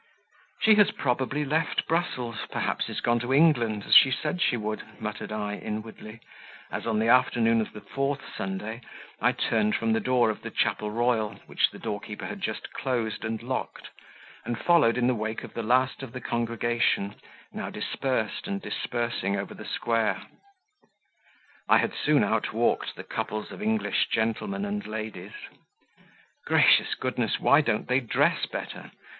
"She has probably left Brussels perhaps is gone to England, as she said she would," muttered I inwardly, as on the afternoon of the fourth Sunday, I turned from the door of the chapel royal which the door keeper had just closed and locked, and followed in the wake of the last of the congregation, now dispersed and dispersing over the square. I had soon outwalked the couples of English gentlemen and ladies. (Gracious goodness! why don't they dress better?